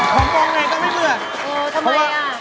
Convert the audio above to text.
ผมมองไงก็ไม่เบื่อ